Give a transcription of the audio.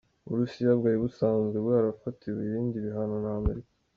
Uburusiya bwari busanzwe bwarafatiwe ibindi bihano na Amerika.